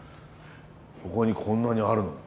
ここにこんなにあるのは。